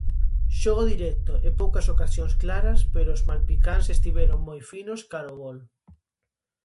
Xogo directo e poucas ocasións claras pero os malpicáns estiveron moi finos cara ao gol.